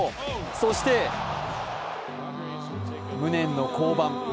そして、無念の降板。